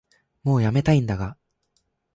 もうやめたいんだが